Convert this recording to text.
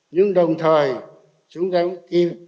nhưng đồng thời chúng ta cũng kìm